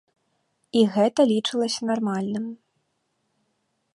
І гэта лічылася нармальным.